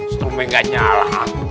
setrumnya gak nyala